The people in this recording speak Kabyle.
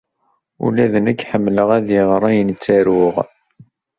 Ula d nekk ḥemmleɣ ad iɣer ayen ttaruɣ.